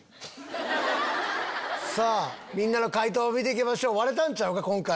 みんなの解答を見ていきましょう割れたんちゃうか今回。